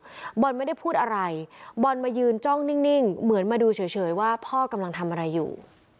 บอกว่าบอลไม่ได้พูดอะไรบอลมายืนจ้องนิ่งเหมือนมาดูเฉยว่าพ่อกำลังทำอะไรอยู่